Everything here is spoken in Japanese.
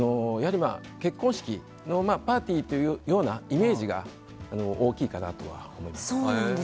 結婚式のパーティーのようなイメージが大きいかなと思います。